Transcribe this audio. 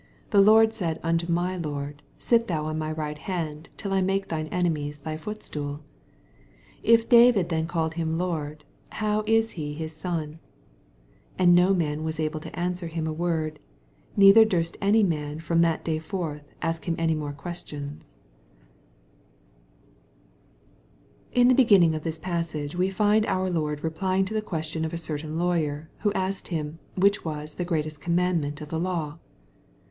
44 The Lord said onto my Lord, Sit thou on my right hand, till I make thine enemies thy footstool ? 45 If David then call him Lord, how is he his son ? 46 And no miin was able to answer him a word, neither durst any man from that day forth ask him any more questioM. In the heginning of this passage we find our Lord replying to the qusstion of a certain lawyer, who asked him which was " the great commandment of the law